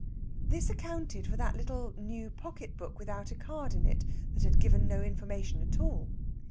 This accounted for that little new pocket book without a card in it that had given no information at all.